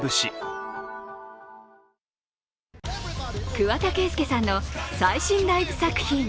桑田佳祐さんの最新ライブ作品。